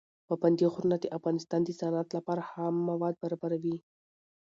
پابندي غرونه د افغانستان د صنعت لپاره خام مواد برابروي.